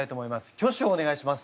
挙手をお願いします。